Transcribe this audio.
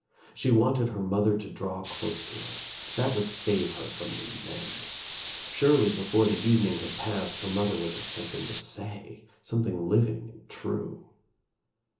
She wanted her mother to draw close I to her. That would save her from the men. Surely, before the evening had passed her mother would have something to say, somthing living and true.